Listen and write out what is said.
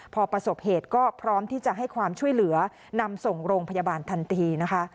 พอประสบเหตุก็พร้อมที่จะให้ความช่วยเหลือนำส่งโรงพยาบาลทันทีนะคะ